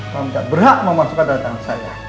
kamu tidak berhak memasukkan darah tangan saya